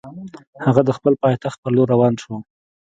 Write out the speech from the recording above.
هغه د خپل پایتخت پر لور روان شو.